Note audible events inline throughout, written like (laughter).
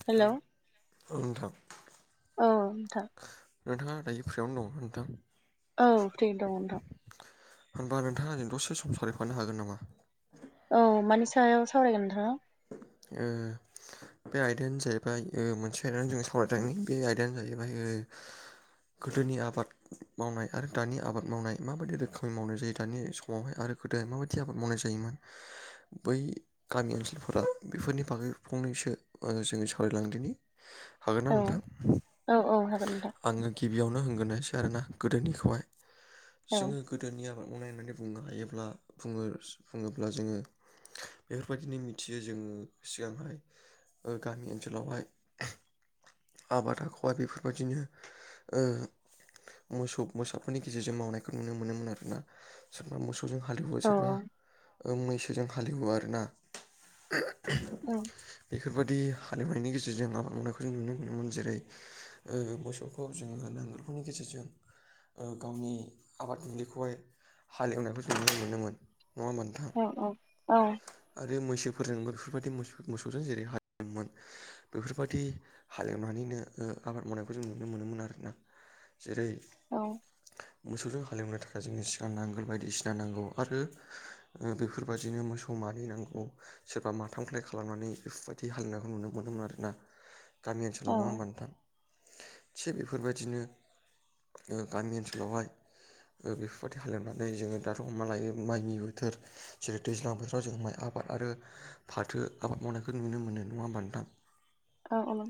Hello औ नोंथां औ नोंथां नोंथाङा दायो फ्रियावनो दङ नोंथां औ फ्रि दङ नोंथां होनबा नोंथाङा जों दसे सम सावरायफानो हागोन नामा औ मानि सायाव सावरायगोन नोंथाङा ओ बे आयदायानो जाहैबाय ओ मोनसे आयदानो जों सावरायनायनि बे आयदायानो जाहैबाय ओ गोदोनि आबाद मावनाय आरो दानि आबाद मावनाय माबायदि रोखोमनि मावनाय जायो दानि समावहाय आरो गोदोहाय माबायदि आबाद मावनाय जायोमोन बै गामि ओनसोल फोराव बेफोरनि बागै फंनैसो जोङो सावरायलांदिनि हागोना औ नोंथां औ औ हागोन नोंथां आङो गिबियावनो होनग्रोनायसै आरोोना गोदोनिखौहाय औ जोङो गोदोनि आबाद मावनाय होननानै बुंनो हायोब्ला बुङो बुङोब्ला जोङो बेफोरबायदिनो मिथियो जोङो सिगांहाय ओ गामि ओनसोलावहाय आबाद आखया बेफोरबायदिनो ओ मोसौ मोसौफोरनि गेजेरजों मावनायखौ नुनो मोनोमोन आरोना सोरबा मोसौजों हालेवो औ सोरबा मैसोजों हालेवो आरोना (inaudible) उम बेफोरबायदि हालेवनायनि गेजेरजों आबाद मावनायखौ जों नुनो मोनोमोन जेरै ओ मोसौखौ जोङो नांगोलफोरनि गेजेरजों ओ गावनि आबाद दुब्लिखौहाय हालेवनायफोरखौ नुनो मोनोमोन नङा होमबा नोंथाङा औ औ औ औ आरो मैसोफोरजों बेफोरबायदि मस मोसौजों जेरै हालेवेमोन बेफोरबायदि हालेवनानैनो आबाद मावनायखौ जों नुनो मोनोमोन आरोना जेरै औ मोसौजों हालेवनो थाखाय जोंनो सिगां नांगोल बायदिसिना नांगौ आरो बेफोरबायदिनो मोसौ मानै नांगौ सोरबा माथामख्लाय खालामनानै बेफोरबायदि हालेवनायखौ नुनो मोनोमोन आरोना गामि ओनसोलाव नङा होमबा नोंथां थिग बेफोरबायदिनो जोङो गामि ओनसोलावहाय बेफोरबायदि हालेवनानै जोङो दाथ' अमा लायो माइनि बोथोर जेरै दैज्लां बोथोराव माइ आबा आरो फाथो आबाद मावनायखौ नुनो मोनो नङा होमबा नोंथां औ औ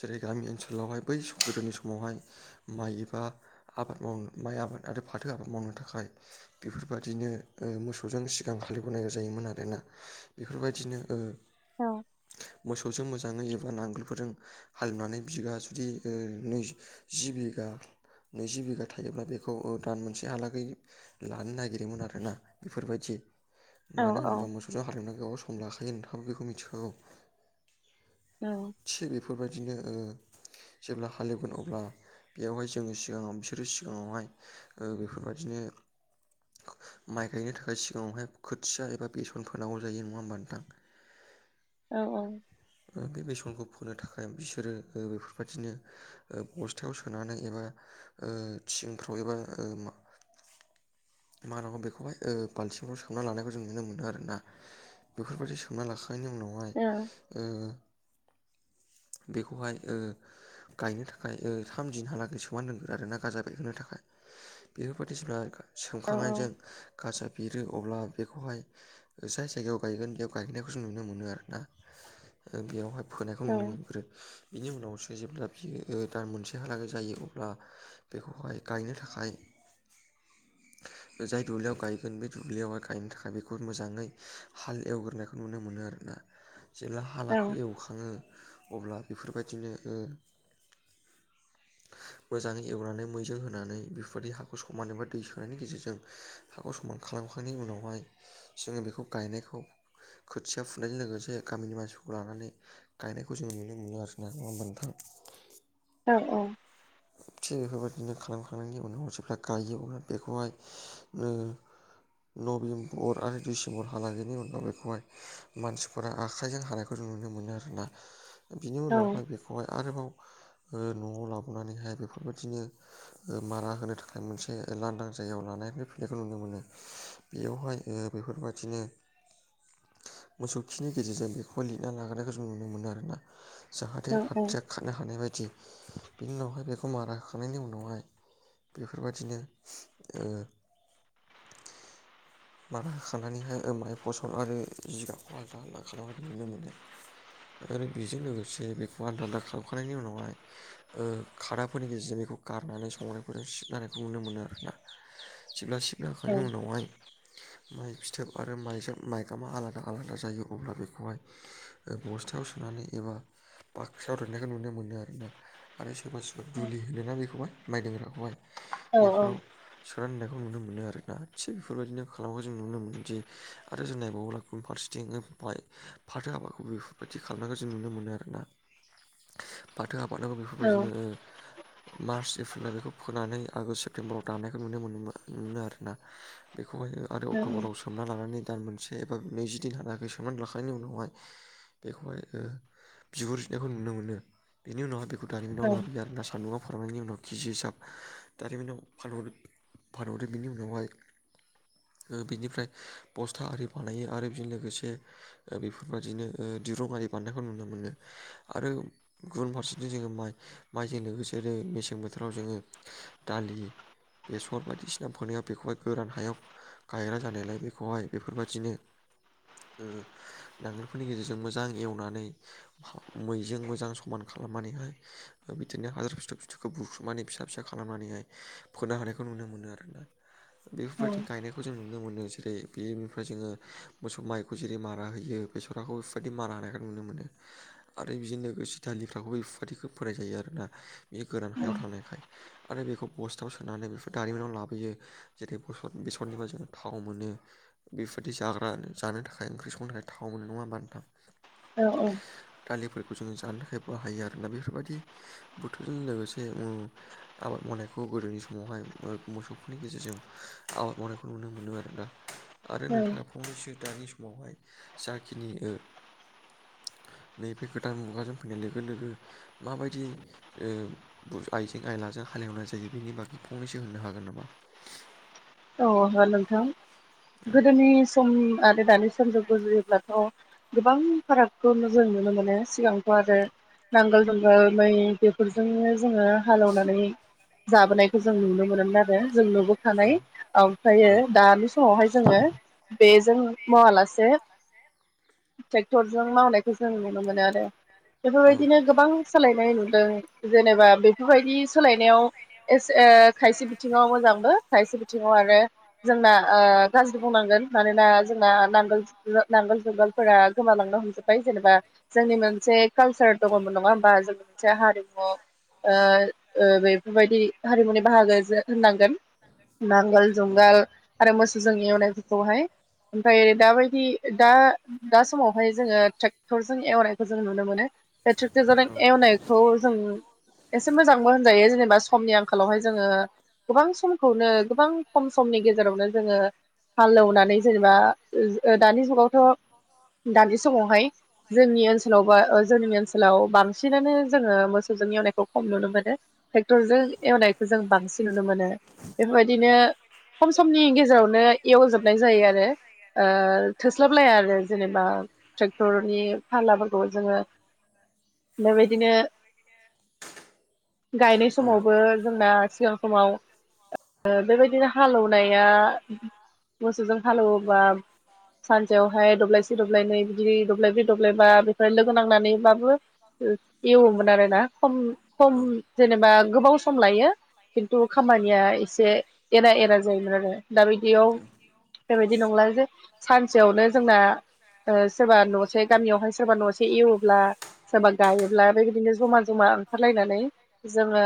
जेरै गामि ओनसोलावहाय बै गोदोनि समावहाय माइ एबा आबाद मावनो माइ आबाद आरो फाथो आबाद मावनो थाखाय। बेफोरबायदिनो मोसौजों सिगां हालएवबोनांगौ जायोमोन आरो। रोना बेफोरबायदिनो मोसौ मोजाङै सोरबा नांगोलफोरजों हालेवनानै बिगा जुदि नोउ जि बिघा नैजि बिघा थायोब्ला बेखौ दान मोनसेहालागै। लानो नागिरोमोन आरोना बेफोरबादि मानो होनोबा मोसौजों हालेवना गोबाव सम लाखायो नोंथाङो बेखौ मिथिखागौ। औ। थिग बेफोरबादिनो जेब्ला हालेवगोन अब्ला बेयावहाय जोङो सिगाङाव बिसोरो सिगाङावहाय ओ बेफोरबायदिनो माइ गायनो थाखाय सिगाङावहाय खोथिया एबा ओ ओ बेसन फोनांगौ जायो नङा होमबा नोंथां औ औ। बे बेसनखौ फोनो थाखाय बिसोरो बेफोरबादिनो बस्थायाव सोनानै एबा थिंफ्राव एबा मा होनांगौ बेखौहाय बाल्थिंफ्राव सोमना लानायखौ जों नुनो मोनो। आरोना बेफोरबायदि सोंना लाखांनायनि उनावहाय ओ बेखौहाय ओ गायनो थाखाय थाम दिनहालागै सोमान दोनग्रो आरो ना गाजा बेरहोनो थाखाय। बेफोरबादिसिना सोमखांनायजों गाजा बेरो अब्ला बेखौहाय जाय जायगायाव गायगोन बेयाव गायनायखौ जों नुनो मोनो आरोना बेयावहाय फोनायखौ औ नुनो मोनग्रोयो बिनि उनावसो जेब्ला बियो दान मोनसे हालागै जायो अब्ला बेखौहाय गायनो थाखाय जाय दुब्लियाव गायगोन बे दुब्लियाव गायनो थाखाय बे बे मोजाङै हाल एवग्रोनायखौ नुनो मोनो आर ना जेब्ला औ हाखौ एवखाङो अब्ला बेफोरबादिनो ओ मोजाङै एवनानै मैजों होनानै बेफोरदि हाखौ समानै एबा दै सोनायनि गेजेरजों हाखौ समान खालामखांनायनि उनावहाय जोङो बेखौ गायनायखौ खोथिया फुनायजों लोगोसे गामिनि मानसिफोरखौ लानानै गायनायखौ जों नुनो मोनो आरो ना नङा होमबा नोंथां। औ औ। थिग बेफोरबायदिनो खालामखांनायनि उनाव हसेफ्रा गायो अब्ला बेखौहाय नभेम्बर आरो डिसेम्बर हालागैनि उनाव बेखौहाय मानसिफोरा आखाइजों हानायखौ फोर नुनो मोनो आरोना बिनि औ उनावहाय बेखौहाय आरोबाव न'आव लाबोनो संनानैहाय बेफोरबादिनो मारा होनो थाखाय मोनसे लांदां जायगायाव लानानै फैनायखौ नुनो मोनो। बेयावहाय ओ बेफोरबादिनो ओ मोसौ खिनि गेजेरजों बेखौ लिरना लागोनायखौ जों नुनो मोनो आरोना जाहाथे आथिया खारनो हानाय बायदि बिनि उनावहाय बेखौ मारा होखांनायनि उनावहाय बेफोरबादिनो ओ मारा होखांनानैहाय माय फसल आरो जिगाबखौ आलदा आलादा खालामनाय नुनो मोनो आरो बेजों लोगोसे बेखौ आलदा आलदा खालामखांनायनि उनावहाय खादाफोरनि गेजेरजों बेखौ गारनानै संनायफोरजों सिबनायखौ नुनो मोनो आरो ना जेब्ला सिबखांनायनि उनावहाय माइ फिथोब आरो माइजों माइगामा आलादा आलादा जायो अब्ला बेखौहाय बस्थायाव सोनानै एबा बाख्रियाव दोननायखौ नुनो मोनो आरोना आरो सोरबा सोरबा दुलि होनोना बेखौहाय माइ दोनग्राखौहाय बेफोराव सोनानै दोननायखौ नुनो मोनो आर ना थिग बेफोरबायदिनो खालामखौ जों नुनो मोनोदिे आरो जों नायबावोला। गुबुन फारसेथिं फाथो हाबाखौ बेफोरबायदि खालामनायखौ जों नुनो मोनो आरोना फाथो आबादाबो बेफोरबादिनो मार्च एप्रिलाव बेखौ फोनानै आगष्ट सेप्तेम्बराव दानायखौ नुनो मोन मोनो आरोना बेखौहाय आरो अक्ट'बराव सोमना लानानै दान मोनसे एबा नैजि दिन लानाखै सोमनानै लाखांनायनि उनावहाय बेखौहाय ओ बिगुर जिरनायखौ नुनो मोनो बेनि उनावहाय बे भुटानिनाव लाबोयो आरोना सानदुङाव खालामनायनि उनाव केजि हिसाब दारिमिनाव फानहरो फानहरो बिनि उनावहाय ओ बिनिफ्राय बस्था आरि बानायो आरो बेजों लोगोसे बेफोरबायदिनो दिरुं आरि बानायनायखौ नुनो मोनो आरो गुबुन फारसे बि जोङो माइ माइजों लोगोसे मेसें बोथोराव जोङो दालि बेसर बायदिसिना फोनायाव बेखौहाय गोरान हायाव गायग्रा जानायलाय बेखौहाय बेफोरबायदिनो नांगोलफोरनि गेजेरजों मोजां एवनानै मैजों मोजां समान खा खालामनानैहाय बिदिनो हाथर फिथर फिथरखौ बुख्रुबनानै फिसा फिसा खालामनानैहाय फोनो हानायखौ नुनो मोनो आरोना बेफोरबायदि गायनाय खौ जों नुनो मोनो जेरै बेनिफ्राय जोङो मोसौ माइखौ जेरै मारा होयो बेसर (unintelligible) मारा होनायखौ नुनो मोनो आरो बिदि लोगोसे दालि (unintelligible) बेफोरबायदिखौ फोनाय जायो आरोना बे गोरान हायाव थांनायखाय आरो बेखौ बस्थायाव सोनानै बेफोर दारिमिनाव लाबोयो जेरै बस बेसरनिफ्राय जोङो थाव मोनो बेफोरदि जाग्रा जानो थाखाय ओंख्रि संनो थाखाय थाव मोनो नङा होनबा नोंथां औ दालिफोरखौ जोङो जानो थाखाय बाहायो आरोना बेफोरबायदि बुथोरजों लोगोसे ओ आबाद मावनायखौ गोदोनि समावहाय मोसौफोरनि गेजेरजों आबाद मावनायखौ नुनो मोनो आरो दा आरो नोंथाङा फंनैसो दानि समावहाय जाखिनि ओ नैबे गोदान मुगाजों फैनाय लोगो लोगो माबायदि ओ आइजें आइलाजों हालेवनाय जायो बेनि बागै फंनैसो होननो हागोन नामा औ हागोन नोंथां औ जोङो गोदोनि सम आरो दानि समजों रुजुयोब्लाथ' गोबां फारागखौ जों नुनो मोनो सिगांथ' आरो नांगोल जुंगाल मै बे बेफोरजोंनो जोङो हालेवनानै जाबोनायखौ जों नुनो मोनोमोन आरो जों नुबोखानाय ओमफ्रायो औ दानि समावहाय जोङो बेजों मावालासे ट्रेक्टरजों मावनायखौ जों नुनो मोनो आरो औ बेफोरबायदिनो गोबां सोलायनाय नुदों जेनेबा बेफोरबायदि सोलायनायाव एस ओ खायसे बिथिङाव मोजांबो खायसे बिथिङाव आरो जोंना ओ गाज्रि बुंनांगोन मानोना जोंना नांगोल नांगोल जुंगालफोरा गोमालांनो हमजोबबाय जेनेबा जोंनि मोनसे कालसार दङमोन नङा होमबा जोंनि मोनसे हारिमु ओ ओ बेफोरबायदि हारिमुनि बाहागो होननांगोन नांगोल जंगाल आरो मोसोजों एवनायफोरखौहाय ओमफ्राय दाबायदि दा दा समावहाय जोङो ट्रेक्टरजों एवनायखौ जों नुनो मोनो बे ट्रेकटरजों एवनायखौ जों एसे मोजांबो होनजायो जेनेबा समनि आंखालावहाय जोङो गोबां समखौनो गोबां खम समनि गेजेरावनो जोङो हालेवनानै जेनेबा दानि जुगावथ' दानि समावहाय जोंनि ओनसोलाव बा जोंनि ओ सोलाव बांसिनानो जोङो मोस मोसौजों एवनायखौ खम नुनो मोनो ट्रेक्टर जों एवनायखौ जों बांसिन नुनो मोनो बेफोरबाय दिनो खम समनि गेजेरावनो एवजोबनाय जायो आरो ओ थोस्लाबलाया आरो जेनेबा ट्रेक्टरनि फारलाफोरखौ जोङो बेबायदिनो गायनाय समावबो जोंना सिगां समाव ओ बेबायदिनो हालेवनाया मोसौजों हालेवोबा सानसेयावहाय दब्लायसे दब्लायनै बिदि दब्लायब्रै दब्लायबा बेफोर लोगो नांनानैबाबो एवोमोन आरो ना खम खम औ जेनेबा गोबाव सम लायो खिन्थु औ खामानिया एसे एरा एरा जायोमोन आरो दा बिदियाव बेबायदि नंला जे सानसेयावनो जोंना ओ सोरबा न'से गामियावहाय सोरबा न'से एवोब्ला सोरबा गायोब्ला बेबायदिनो जमा जमा ओंखारलायनानै जोङो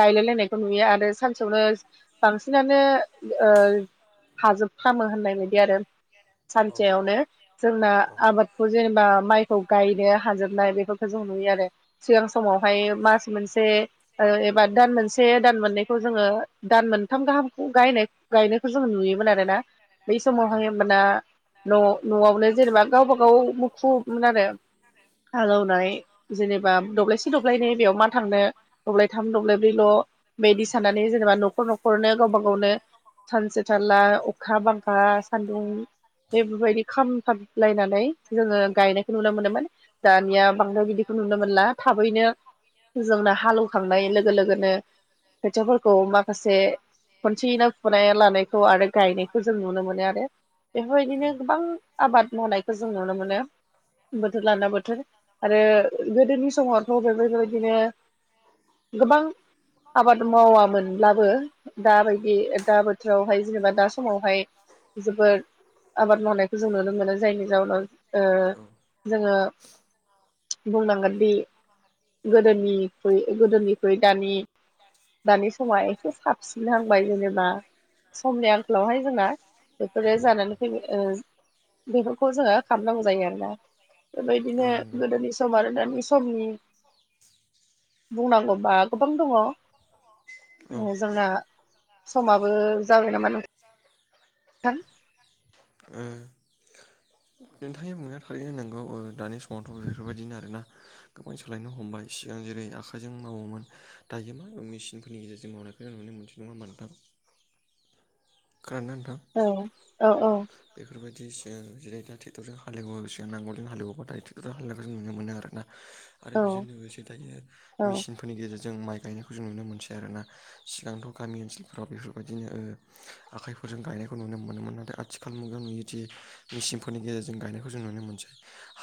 गायलायलायनायखौ नुयो आरो सानसेयावनो बांसिनानो ओ हाजोबफ्रामो होननाय बायदि आरो सानसेयावनो जोंना आबादखौ जेनेबा माइखौ गायनो हाजोबनाय बेफोरखौ जों नुयो आरो। सिगां समावहाय मास मोनसे ओ एबा दान मोनसे दान मोननै खौ जोङो दान मोनथाम गाहामखौ गायनाय गायनायखौ जोङो नुयोमोन आरोना। बै औ समावहाय होमबाना न' न'आवनो जेनेबा गावबा गाव मुखुबमोन आरो। हालेवनाय जेनेबा दब्लायसे दब्लायनै बेयाव मा थांनो दब्लायथाम दब्लायब्रैल' बेदि साननानै जेनेबा न'खर न'खरनो गावबा गावनो सानसे थारला अखा बांखा सान्दुं बेफोरबायदि खामथाबलायनानै जोङो गायनायखौ नुनो मोनोमोन। दानिया बांद्राय बिदिखौ नुनो मोनला थाबैनो जोंना हालौवखांनाय लोगो लोगोनो खोथियाफोरखौ माखासे खनसेयैनो फुनाय लानायखौ आरो गायनायखौ जों नुनो मोनो आरो। बेफोरबायदिनो गोबां आबाद मावनायखौ जों नुनो मोनो बोथोर लाना बोथोर आरो गोदोनि समावथ' बेफोरबायदिनो गोबां आबाद मावामोनब्लाबो दाबायदि दा बोथोरावहाय जेनेबा दा समावहाय जोबोर आबाद मावनायखौ जों नुनो मोनो जायनि जाउनाव ओ जोङो बुंनांगोनदि गोदोनिख्रुय गोदोनिख्रुय दानि दानि समा एसे साबसिन हांबाय जेनेबा समनि आंखालावहाय जोंना बेफोरो जानानै फैयो ओ बेफोरखौ जोङो खामनांगौ जायो आरोना बेबायदिनो जायनि गोदोनि सम आरो दानि समनि बुंनांगौबा गोबां दङ जाउनाव औ नंगौ औ जोंना समाबो जाबाय नामा नोंथां? ओ नुना थारैनो नांगौ दानि समावथ बेफोरबायदिनो आरोना। गोबां सालायनो हमबाय सिगां जेरै आखाइजों मावोमोन दायो मा बे मेसिनफोरनि गेजेरजों मावनानै खौ जों नुनो मोनसै नङा होमबा नोंथां? खोनादों ना नोंथां? औ औ औ बेफोरबायदि जों जेरै दा ट्रेक्टरजों हालेवो सिगां नांगलजों हालेवबा दा ट्रेक्टरजों हालवनायखौ ज नुनो मोनो आरोना। आरो औ बेजों लोगोसे दायो औ मेसिन फोरनि गेजेरजों माइ गायनायखौ जों नुनो मोनसै आरोना सिगांथ गामि ओनसोलफोराव बेफोरबायदिनो ओ (inaudible) आखाइफोरजों गायनायखौ नुनो मोनोमोन नाथाय आथिखाल मुगायाव नुयोदि मेसिनफोरनि गेजेरजों गायनायखौ जों नुनो मोनसै।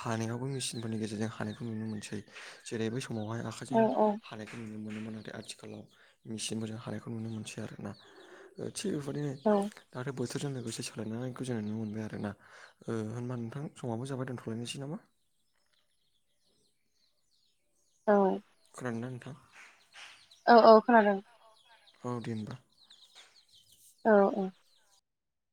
हानायावबो मेसिनफोरनि गेजेरजों हानायखौ नुनो मोनसै जेरै बै समावहाय आखाइजों औ हानायखौ नुनो मोनोमोन नाथाय आथिखालाव मेसिनफोरजों हानायखौ नुनो मोनसै आरो ना। थिग बेबायदिनो औ दाथ' बोथोरजों लोगोसे सोलायनानैखौ जों नुनो मोनबाय आरो ना। ओ होनबा नोंथां समाबबो जाबाय दोनथ'लायनोसै नामा? औ। खोनादों ना नोंथां? औ औ खोनादों। औ दे होनबा। औ औ।